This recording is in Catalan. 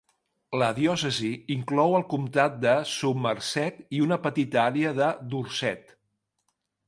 La diòcesi inclou el comtat de Somerset i una petita àrea de Dorset.